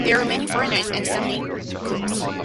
There are many foreigners and some negroes.